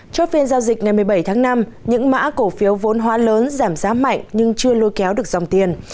chốt phiên giao dịch ngày một mươi bảy tháng năm những mã cổ phiếu vốn hoa lớn giảm giá mạnh nhưng chưa lôi kéo được dòng tiền